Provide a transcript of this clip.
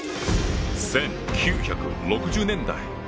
１９６０年代